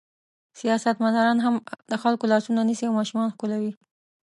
سیاستمداران هم د خلکو لاسونه نیسي او ماشومان ښکلوي.